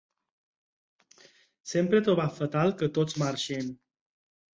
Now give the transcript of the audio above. Sempre he trobat fatal que tots marxin.